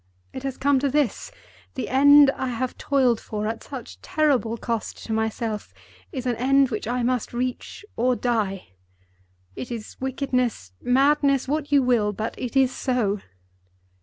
It has come to this. The end I have toiled for, at such terrible cost to myself, is an end which I must reach or die. It is wickedness, madness, what you will—but it is so.